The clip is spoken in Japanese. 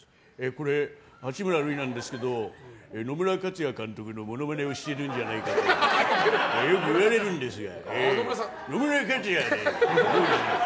これ、八村塁なんですけど野村克也監督のモノマネをしているんじゃないかってよく言われるんですよ。